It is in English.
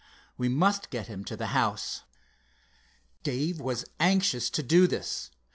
We must get him to the house." Dave was anxious to do this.